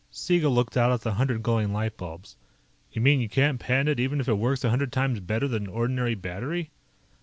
Siegel looked out at the hundred glowing light bulbs. "You mean you can't patent it, even if it works a hundred times better than an ordinary battery?"